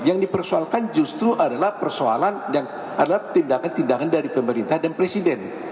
yang dipersoalkan justru adalah persoalan yang adalah tindakan tindakan dari pemerintah dan presiden